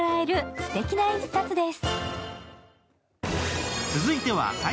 すてきな一冊です。